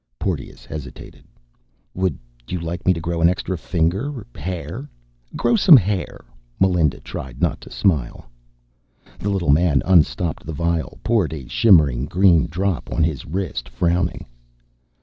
Porteous hesitated. "Would you like me to grow an extra finger, hair " "Grow some hair." Melinda tried not to smile. The little man unstopped the vial, poured a shimmering green drop on his wrist, frowning.